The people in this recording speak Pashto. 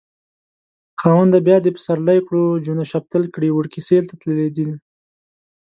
خاونده بيا دې پسرلی کړو جونه شفتل کړي وړکي سيل ته تللي دينه